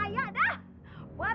delapan ditambah sembilan